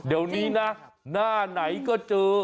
เดี๋ยวนี้นะหน้าไหนก็เจอ